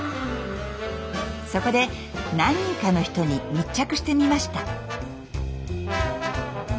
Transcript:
そこで何人かの人に密着してみました。